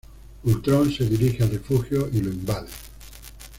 Ultrón se dirige al refugio y lo invade.